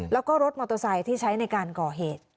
แล้วก็รถมอเตอร์ไซค์ที่ใช้ในการก่อเหตุ